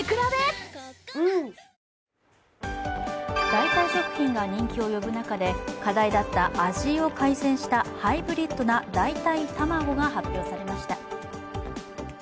代替食品が人気を呼ぶ中で課題だった味を改善したハイブリッドな代替卵が発表されました。